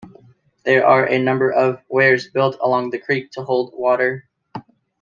There are a number of weirs built along the creek to hold water.